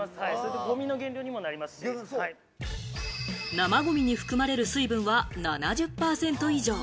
生ごみに含まれる水分は７０％以上。